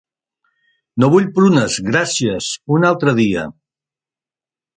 No vull prunes, gràcies, un altre dia.